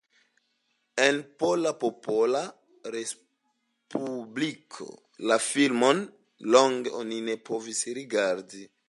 En Pola Popola Respubliko la filmon longe oni ne povis rigardi.